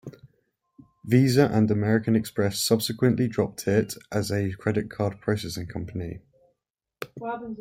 Visa and American Express subsequently dropped it as a credit card processing company.